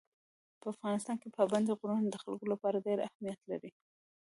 په افغانستان کې پابندي غرونه د خلکو لپاره ډېر اهمیت لري.